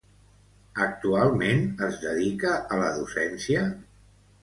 Actualment es dedica a la docència?